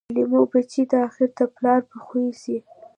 د لېوه بچی آخر د پلار په خوی سي